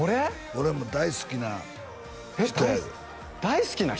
俺も大好きな人やえっ大好きな人？